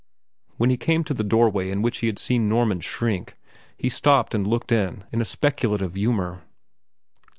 When he came to the doorway into which he had seen Norman shrink, he stopped and looked in in a speculative humor.